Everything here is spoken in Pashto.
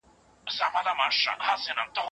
سپوږولۍ